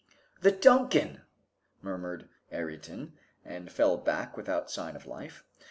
"The 'Duncan'!" murmured Ayrton and fell back without sign of life.